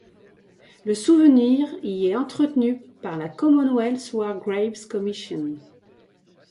Le souvenir y est entretenu par la Commonwealth War Graves Commission.